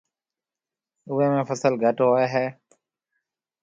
اوئيَ ۾ فصل گھٽ ھوئيَ ھيََََ